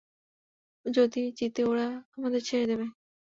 যদি জিতি ওরা আমাদের ছেড়ে দেবে।